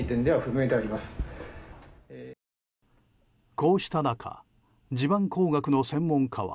こうした中地盤工学の専門家は